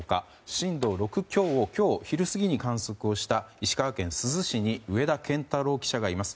震度６強を今日昼過ぎに観測した石川県珠洲市に上田健太郎記者がいます。